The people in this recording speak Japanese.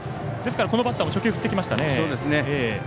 ですから、このバッターも初球、振ってきましたね。